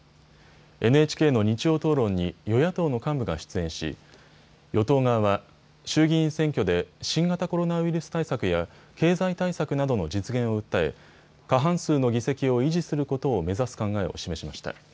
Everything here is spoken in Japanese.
ＮＨＫの日曜討論に与野党の幹部が出演し、与党側は衆議院選挙で新型コロナウイルス対策や経済対策などの実現を訴え過半数の議席を維持することを目指す考えを示しました。